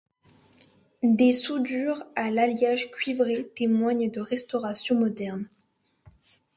Des soudures à l'alliage cuivré témoignent de restaurations modernes.